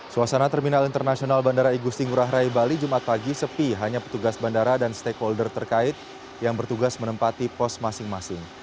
suasana terminal internasional bandara igusti ngurah rai bali jumat pagi sepi hanya petugas bandara dan stakeholder terkait yang bertugas menempati pos masing masing